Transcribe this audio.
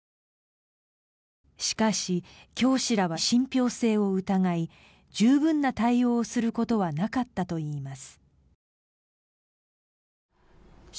しかし教師らは信ぴょう性を疑い十分な対応をすることはなかったといいます。